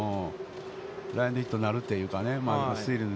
ランエンドヒットになるというね。